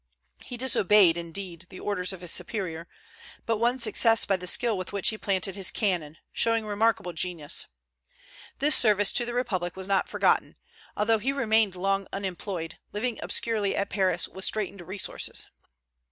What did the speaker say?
He disobeyed, indeed, the orders of his superiors, but won success by the skill with which he planted his cannon, showing remarkable genius. This service to the Republic was not forgotten, although he remained long unemployed, living obscurely at Paris with straitened resources.